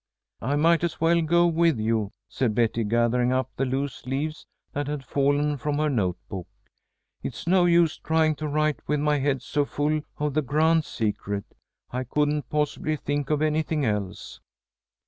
"I might as well go with you," said Betty, gathering up the loose leaves that had fallen from her note book. "It's no use trying to write with my head so full of the grand secret. I couldn't possibly think of anything else."